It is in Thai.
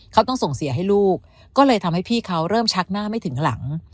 เขาต้องส่งเสียให้ลูกก็เลยทำให้พี่เขาเริ่มชักหน้าไม่ถึงหลัง